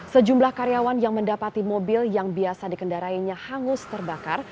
sejumlah karyawan yang mendapati mobil yang biasa dikendarainya hangus terbakar